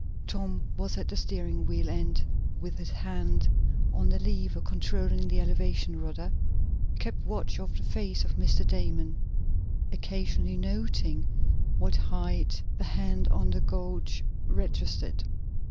Tom was at the steering wheel, and, with his hand on the lever controlling the elevation rudder, kept watch of the face of Mr. Damon, occasionally noting what height the hand on the gauge registered.